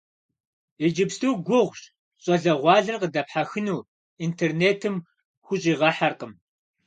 Иджыпсту гугъущ щӏалэгъуалэр къыдэпхьэхыну, интернетым хущӀигъэхьэркъым.